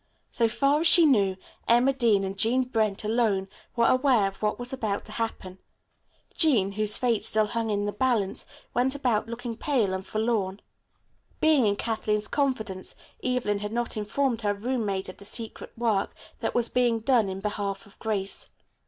So far as she knew, Emma Dean and Jean Brent, alone, were aware of what was about to happen. Jean, whose fate still hung in the balance, went about looking pale and forlorn. Being in Kathleen's confidence, Evelyn had not informed her roommate of the secret work that was being done in behalf of Grace.